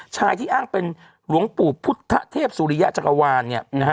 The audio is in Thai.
ชายที่อ้างเป็นหลวงปู่พุทธเทพสุริยะจักรวาล